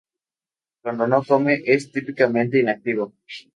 Cuando no come, es típicamente inactivo.